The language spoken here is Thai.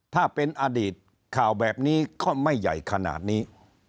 ถ้าเป็นอดีตข่าวแบบนี้ก็ไม่ใหญ่ขนาดนี้